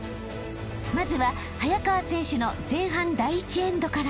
［まずは早川選手の前半第１エンドから］